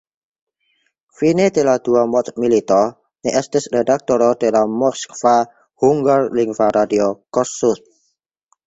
Fine de la dua mondmilito li estis redaktoro de la moskva hungarlingva radio Kossuth.